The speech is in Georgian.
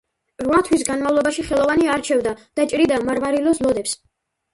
რვა თვის განმავლობაში ხელოვანი არჩევდა და ჭრიდა მარმარილოს ლოდებს.